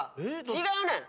違うねん。